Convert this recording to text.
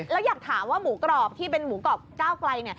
แล้วอยากถามว่าหมูกรอบที่เป็นหมูกรอบก้าวไกล